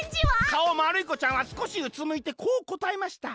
「かおまるいこちゃんはすこしうつむいてこうこたえました。